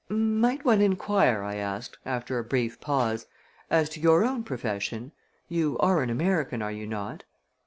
"Might one inquire," I asked, after a brief pause, "as to your own profession? You are an American, are you not?"